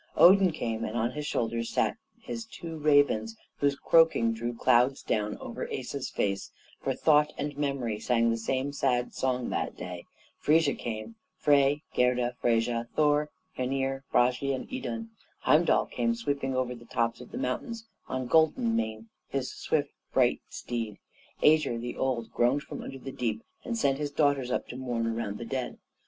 Odin came, and on his shoulders sat his two ravens, whose croaking drew clouds down over the Asa's face, for Thought and Memory sang the same sad song that day. Frigga came, Frey, Gerda, Freyja, Thor, Hoenir, Bragi, and Idun. Heimdall came sweeping over the tops of the mountains on Golden Mane, his swift, bright steed. Ægir the Old groaned from under the deep, and sent his daughters up to mourn around the dead.